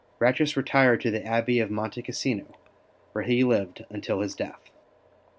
Ratchis retired to the Abbey of Monte Cassino, where he lived until his death.